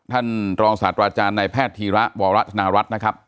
ท่านรองศาสตราจารย์ในแพทย์ธีระวรธนารัฐนะครับ